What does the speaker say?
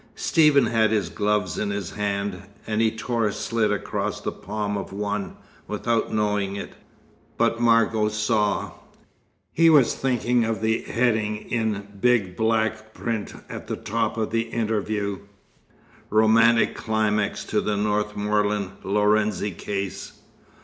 Stephen had his gloves in his hand, and he tore a slit across the palm of one, without knowing it. But Margot saw. He was thinking of the heading in big black print at the top of the interview: "Romantic Climax to the Northmorland Lorenzi Case.